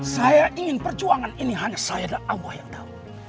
saya ingin perjuangan ini hanya saya adalah allah yang tahu